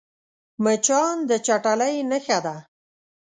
مچان د چټلۍ نښه ده